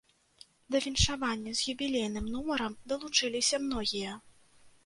Да віншавання з юбілейным нумарам далучыліся многія.